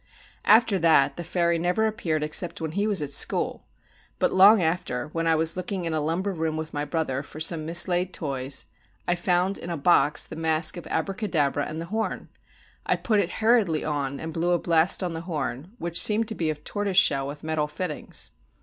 After that, the fairy never appeared except when he was at school: but long after, when I was looking in a lumber room with my brother for some mislaid toys, I found in a box the mask of Abracadabra and the horn. I put it hurriedly on, and blew a blast on the horn, which seemed to be of tortoise shell with metal fittings.